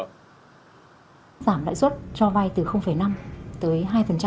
giảm lãi suất cho vay từ năm tới hai